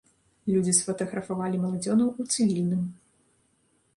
Людзі сфатаграфавалі маладзёнаў у цывільным.